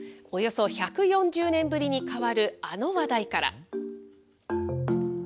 およそ１４０年ぶりに変わるあの話題から。